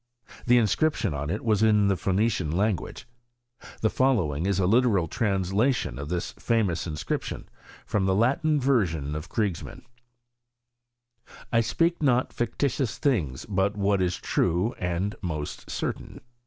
The in scription on it was in the Phoenician language. Th following is a literal translation of this famous inscri{ tion, from the Latin version of Kriegsmann :* 1 . I speak not fictitious things, but what is true ai) most certain.